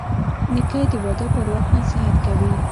نیکه د واده پر وخت نصیحت کوي.